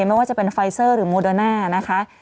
ไม่ว่าจะเป็นไฟเซอร์หรือโมเดอร์น่านะคะ